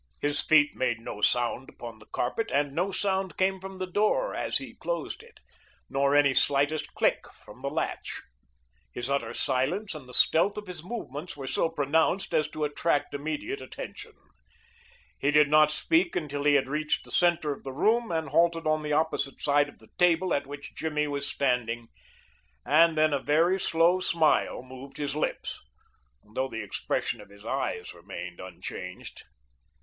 His feet made no sound upon the carpet, and no sound came from the door as he closed it, nor any slightest click from the latch. His utter silence and the stealth of his movements were so pronounced as to attract immediate attention. He did not speak until he had reached the center of the room and halted on the opposite side of the table at which Jimmy was standing; and then a very slow smile moved his lips, though the expression of his eyes remained unchanged.